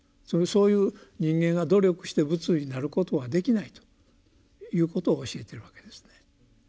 そういう人間が努力して仏になることはできないということを教えてるわけですね。